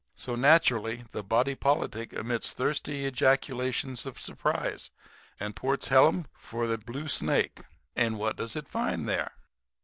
So, naturally the body politic emits thirsty ejaculations of surprise and ports hellum for the Blue Snake. And what does it find there?